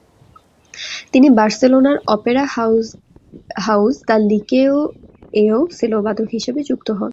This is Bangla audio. তিনি বার্সেলোনার অপেরা হাউজ দ্য লিকেউ-এও সেলোবাদক হিসেবে যুক্ত হন।